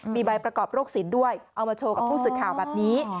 มีใบประกอบโรคสินด้วยเอามาโชว์กับผู้สื่อข่าวแบบนี้